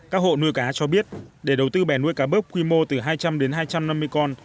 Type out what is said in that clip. các hộ nuôi cá cho biết để đầu tư bè nuôi cá bớp quy mô từ hai trăm linh đến hai trăm năm mươi con